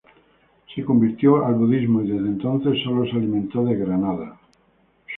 Se convirtió al budismo y desde entonces solo se alimentó de granadas.